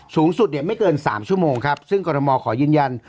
สูงสุดเนี่ยไม่เกิน๓ชั่วโมงครับซึ่งกรมอขอยืนยัน